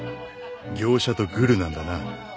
業者とグルなんだな。